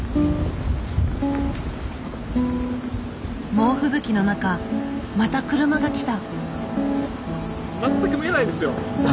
猛吹雪の中また車が来た。